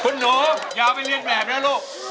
คุณหนูอย่าไปได้นิดแหงเร็วลูก